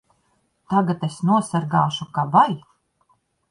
Tagad es nosargāšu ka vai!